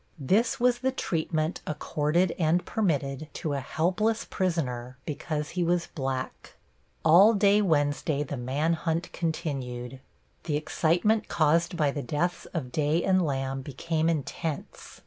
This was the treatment accorded and permitted to a helpless prisoner because he was black. All day Wednesday the man hunt continued. The excitement caused by the deaths of Day and Lamb became intense.